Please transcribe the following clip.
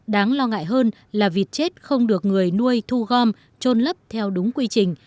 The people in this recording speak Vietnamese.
đáng lo ngại hơn là vịt chết không được người nuôi thu gom trôn lấp theo đúng quy trình